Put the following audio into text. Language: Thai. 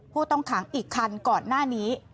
ผู้ต้องขังอีกคันก่อนหน้านี้